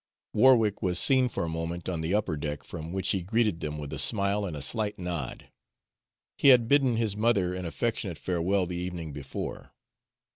Warwick was seen for a moment on the upper deck, from which he greeted them with a smile and a slight nod. He had bidden his mother an affectionate farewell the evening before.